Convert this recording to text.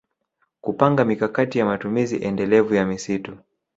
Kupanga mikakati ya matumizi endelevu ya msitu